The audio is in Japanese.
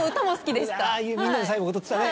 みんなで最後踊ってたね。